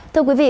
thưa quý vị